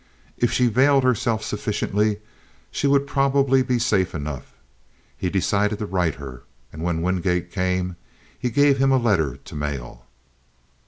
If she veiled herself sufficiently she would probably be safe enough. He decided to write her, and when Wingate came he gave him a letter to mail.